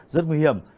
rất nguy hiểm